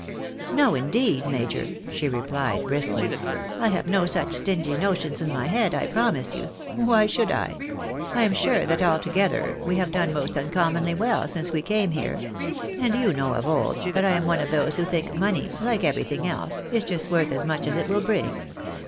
" No, indeed, major," she replied, briskly ;" I have no such stingy notions in my head, I promise you. Why should I ? I am sure that altogether we have done most uncommonly well since we came here ; and you know of old, that I am one of those who think money, like everything else, is just worth as much as it will bring.